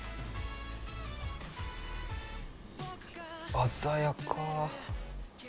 鮮やか。